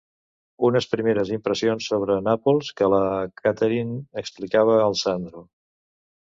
Unes primeres impressions sobre Nàpols que la Catherine explicava al Sandro...